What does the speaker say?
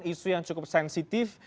isu yang cukup sensitif